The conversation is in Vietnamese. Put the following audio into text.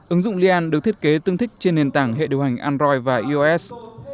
ứng dụng lian được thiết kế tương thích trên nền tảng hệ điều hành android và ios